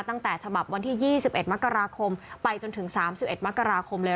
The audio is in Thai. ตั้งแต่ฉบับวันที่๒๑มกราคมไปจนถึง๓๑มกราคมเลย